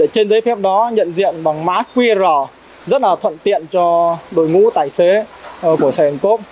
trên giấy phép đó nhận diện bằng mã qr rất là thuận tiện cho đội ngũ tài xế của sài gòn cốp